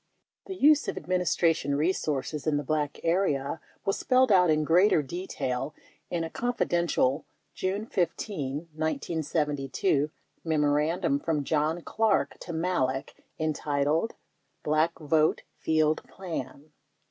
47 The use of administration resources in the black area was spelled out in greater detail in a "Confidential" June 15, 1972, memorandum from John Clarke to Malek entitled "Black Vote Field Plan."